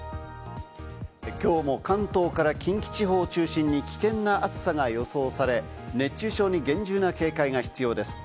きょうも関東から近畿地方を中心に危険な暑さが予想され、熱中症に厳重な警戒が必要です。